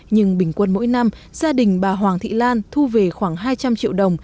nhưng bình quân mỗi năm gia đình bà hoàng thị lan thu về khoảng hai trăm linh triệu đồng